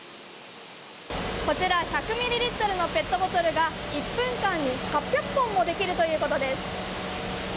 こちら１００ミリリットルのペットボトルが１分間に８００本もできるということです。